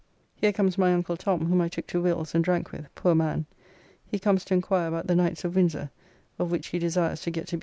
Here comes my uncle Tom, whom I took to Will's and drank with, poor man, he comes to inquire about the knights of Windsor, of which he desires to get to be one.